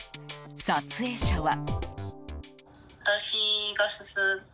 撮影者は。